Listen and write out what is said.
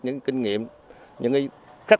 những kinh nghiệm những khách